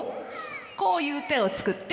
こういう手を作って。